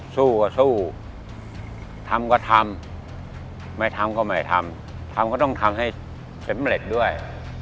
สู้ก็สู้ทำก็ทำไม่ทำก็ไม่ทำทำก็ต้องทำให้สำเร็จด้วย